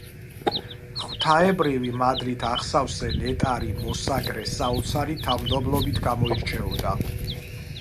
ღვთაებრივი მადლით აღსავსე ნეტარი მოსაგრე საოცარი თავმდაბლობით გამოირჩეოდა.